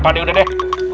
pade udah deh